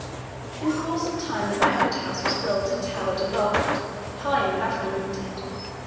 In course of time the banquet house was built and towered aloft, high and battlemented.